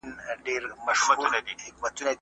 حکومتونه به مهم بحثونه پرمخ وړي.